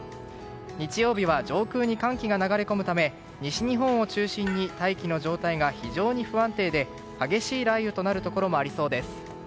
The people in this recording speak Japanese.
日曜日は上空に寒気が流れ込むため西日本を中心に大気の状態が非常に不安定で激しい雷雨となるところもありそうです。